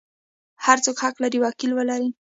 هر څوک حق لري وکیل ولري.